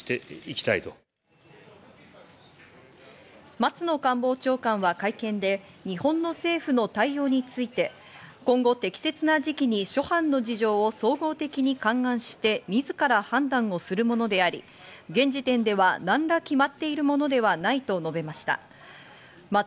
松野官房長官は会見で日本の政府の対応について、今後、適切な時期に諸般の事情を総合的に勘案して、自ら判断をするものであり、現時点では何ら決まっているものではないと述べました。